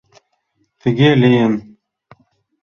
Тыге лийын...